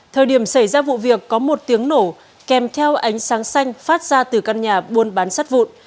thời điểm xảy ra vụ việc có một tiếng nổ kèm theo ánh sáng xanh phát ra từ căn nhà buôn bán sắt vụn